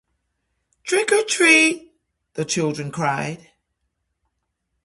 "Trick or Treat" the children cried!